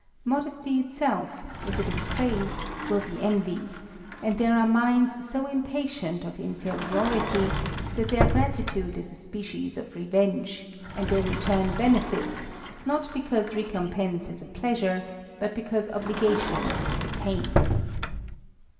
Modesty itself, if it is praised, will be envied; and there are minds so impatient of inferiority, that their gratitude is a species of revenge, and they retimi benefits, not because recompence is a pleasure, but because obligation is a [lain.